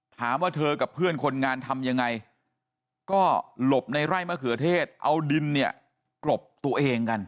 ถามว่าเธอกับเพื่อนคนงานทำยังไงก็หลบในไร่มะเขือเทศเอาดินเนี่ยกรบตัวเองกัน